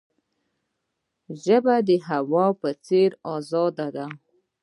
ژبه د هوا په څیر آزاده ده.